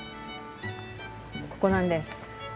ここなんです。